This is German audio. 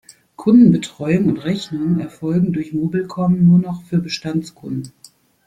Kundenbetreuung und Rechnungen erfolgen durch mobilcom nur noch für Bestandskunden.